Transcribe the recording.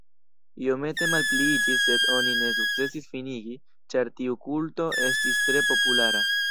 Iomete malpliiĝis, sed oni ne sukcesis finigi, ĉar tiu kulto estis tre populara.